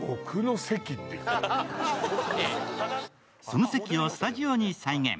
その席をスタジオに再現。